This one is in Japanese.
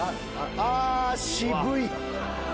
あー、渋い。